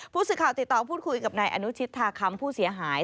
ผู้สื่อข่าวติดต่อพูดคุยกับนายอนุชิตทาคำผู้เสียหาย